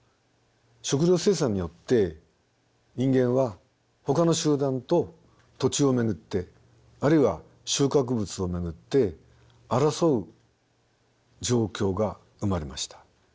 食料生産によって人間はほかの集団と土地を巡ってあるいは収穫物を巡って争う状況が生まれました。